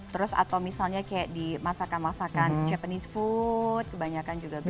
terus atau misalnya kayak di masakan masakan japanese food kebanyakan juga bisa